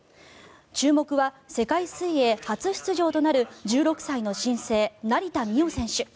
注目は、世界水泳初出場となる１６歳の新星、成田実生選手。